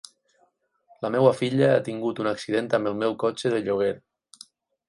La meva filla ha tingut un accident amb el meu cotxe de lloguer.